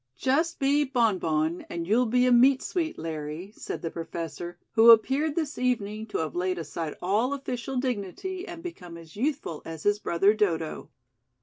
"Just be bonbon and you'll be a 'meat sweet' Larry," said the Professor, who appeared this evening to have laid aside all official dignity and become as youthful as his brother Dodo.